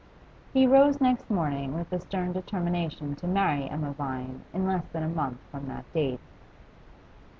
He rose next morning with a stern determination to marry Emma Vine in less than a month from that date.